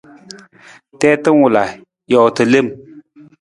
Tiita wala, joota lem.